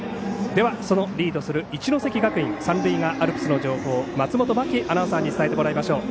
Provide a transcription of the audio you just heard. では、リードする一関学院三塁側アルプスの情報松本真季アナウンサーに伝えてもらいましょう。